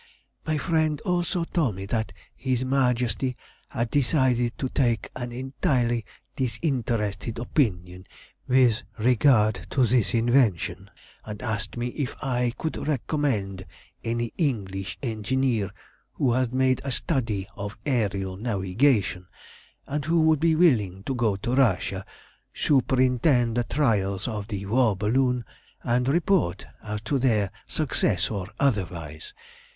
"My friend also told me that his Majesty had decided to take an entirely disinterested opinion with regard to this invention, and asked me if I could recommend any English engineer who had made a study of aërial navigation, and who would be willing to go to Russia, superintend the trials of the war balloon, and report as to their success or otherwise.